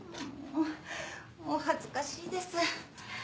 もうお恥ずかしいです。